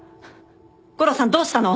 悟郎さんどうしたの！？